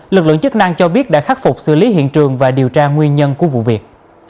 lực lượng chức năng cho biết đã khắc phục xử lý hiện trường và điều tra nguyên nhân của vụ việc